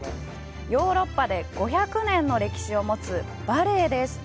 ヨーロッパで５００年の歴史を持つバレエです。